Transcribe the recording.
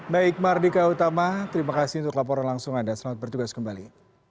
baik mardika utama terima kasih untuk laporan langsung anda selamat bertugas kembali